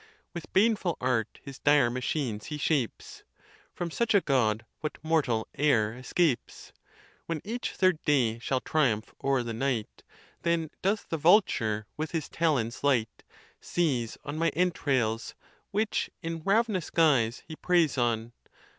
With baneful art his dire machine he shapes ; From such a God what mortal e'er escapes ? When each third day shall triumph o'er the night, Then doth the vulture, with his talons light, Seize on my entrails; which, in rav'nous guise, He preys on!